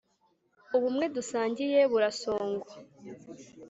ubumwe dusangiye burasongwa